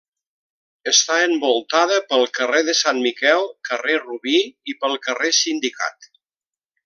Està envoltada pel carrer de Sant Miquel, carrer Rubí i pel carrer Sindicat.